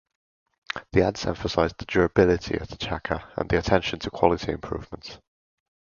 The ads emphasized the durability of the Checker and the attention to quality improvements.